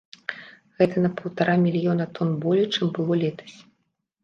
Гэта на паўтара мільёна тон болей, чым было летась.